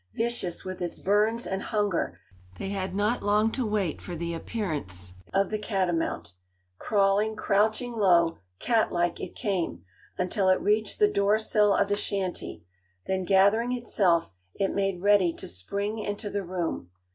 Vicious with its burns and hunger, they had not long to wait for the appearance of the catamount; crawling, crouching low, cat like it came, until it reached the door sill of the shanty; then gathering itself, it made ready to spring into the room.